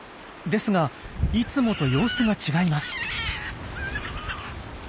ですがいつもと様子が違います。